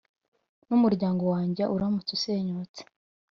n’umuryango wanjye uramutse usenyutse